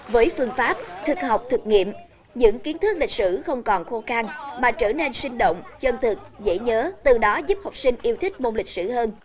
với phương pháp thực học thực nghiệm những kiến thức lịch sử không còn khô khăn mà trở nên sinh động chân thực dễ nhớ từ đó giúp học sinh yêu thích môn lịch sử hơn